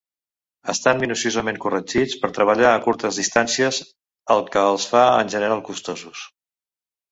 Estan minuciosament corregits per treballar a curtes distàncies, el que els fa en general costosos.